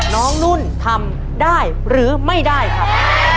นุ่นทำได้หรือไม่ได้ครับ